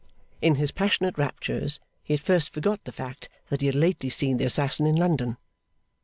In his passionate raptures, he at first forgot the fact that he had lately seen the assassin in London.